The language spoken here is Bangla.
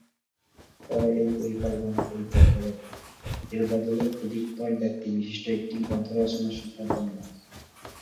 পরে এই পরিকল্পনা পরিত্যাগ করে, এর বদলে অধিকতর ব্যাপ্তি-বিশিষ্ট একটি গ্রন্থ রচনার সিদ্ধান্ত নেন।